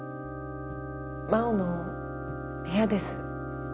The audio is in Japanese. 真央の部屋です。